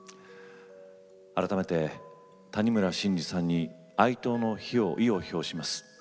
改めて谷村新司さんに哀悼の意を表します。